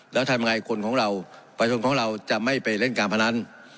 แล้วทำยังไงคนของเราประชนของเราจะไม่ไปเล่นการพนัน